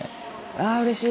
あうれしい！